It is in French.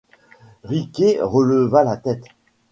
Riquet releva la tête.